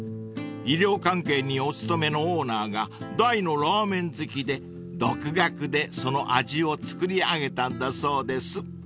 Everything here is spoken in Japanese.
［医療関係にお勤めのオーナーが大のラーメン好きで独学でその味を作り上げたんだそうです］